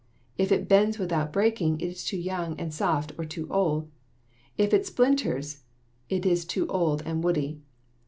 If it bends without breaking, it is too young and soft or too old. If it splinters, it is too old and woody."